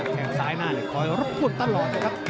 แค่งซ้ายหน้าคอยรบกวนตลอดนะครับ